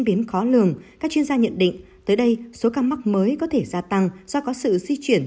biến khó lường các chuyên gia nhận định tới đây số ca mắc mới có thể gia tăng do có sự di chuyển